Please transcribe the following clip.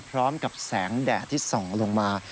พร้อมกับแสงแดดที่ส่องลงมา